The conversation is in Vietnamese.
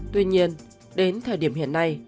tuy nhiên đến thời điểm hiện nay